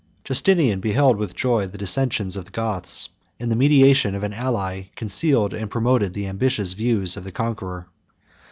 ] Justinian beheld with joy the dissensions of the Goths; and the mediation of an ally concealed and promoted the ambitious views of the conqueror.